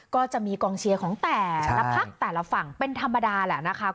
ก็จะมีกองเชียร์ของแต่ละภาคนเป็นธรรมดาแหละนะคะ